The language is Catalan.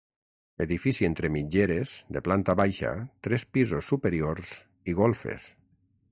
Edifici entre mitgeres, de planta baixa, tres pisos superiors i golfes.